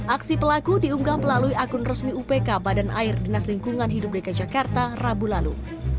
aksi pelaku diunggah melalui akun resmi upk badan air dinas lingkungan hidup dki jakarta rabu lalu